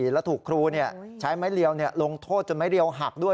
แล้วถูกครูใช้ไม้เรียวลงโทษจนไม้เรียวหักด้วย